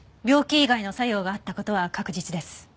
病気以外の作用があった事は確実です。